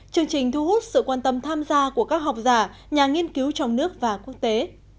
chương trình thu hút sự quan tâm tham gia của các học giả nhà nghiên cứu trong nước và quốc tế